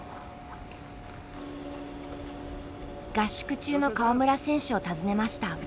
合宿中の川村選手を訪ねました。